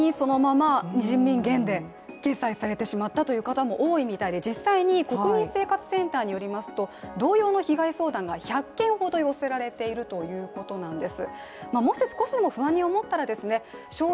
人民元で決済されてしまった方も多いみたいで、実際に国民生活センターによりますと、同様の被害相談が１００件ほどよせられているということなんです。